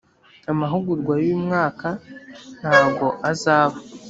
amahugurwa yuyu mwaka ntago azaba